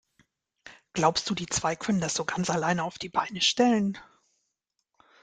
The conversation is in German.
Glaubst du, die zwei können das so ganz alleine auf die Beine stellen?